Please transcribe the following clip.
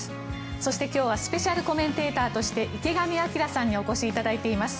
そして今日はスペシャルコメンテーターとして池上彰さんにお越しいただいています。